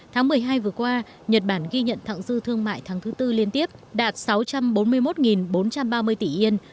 tháng một mươi hai vừa qua nhật bản ghi nhận thẳng dư thương mại tháng thứ tư liên tiếp đạt sáu trăm bốn mươi một bốn trăm ba mươi tỷ yên